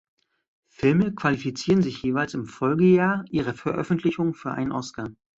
Filme qualifizieren sich jeweils im Folgejahr ihrer Veröffentlichung für einen Oscar.